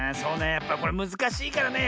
やっぱりこれむずかしいからね